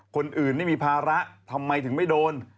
คนอื่นไม่มีภาระทำไมถึงไม่โดน